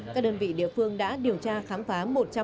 các đơn vị địa phương đã điều tra khám phá